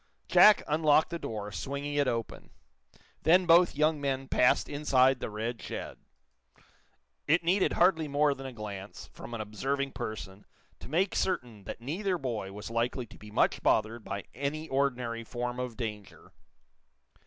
Jack unlocked the door, swinging it open. Then both young men passed inside the red shed. It needed hardly more than a glance, from an observing person, to make certain that neither boy was likely to be much bothered by any ordinary form of danger.